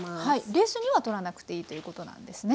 冷水には取らなくていいということなんですね。